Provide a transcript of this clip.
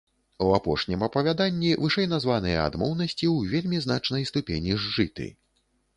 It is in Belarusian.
У апошнім апавяданні вышэйназваныя адмоўнасці ў вельмі значнай ступені зжыты.